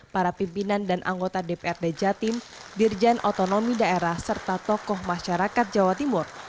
para pimpinan dan anggota dprd jatim dirjen otonomi daerah serta tokoh masyarakat jawa timur